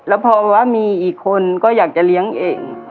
แล้วพอว่ามีอีกคนก็อยากจะเลี้ยงเอง